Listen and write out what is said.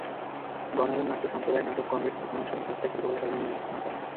গণায়ন নাট্য সম্প্রদায়ের নাটক কমরেডস হাত নামান, সন্ধ্যা সাতটায়, শিল্পকলা একাডেমীর মিলনায়তনে।